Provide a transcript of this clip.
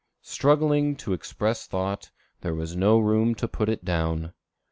Struggling to express thought, there was no room to put it down.